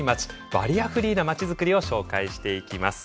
バリアフリーな町づくりを紹介していきます。